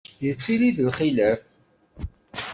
Yettili-d lxilaf.